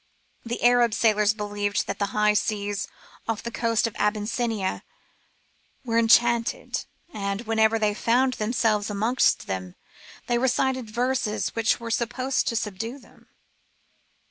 The Arab sailors believed that the high seas off the coast of Abyssinia were enchanted, and whenever they found themselves amongst them they recited verses which were supposed to subdue them.